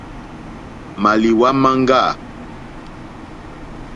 Màlìwá máŋɡâ.